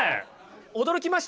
驚きました？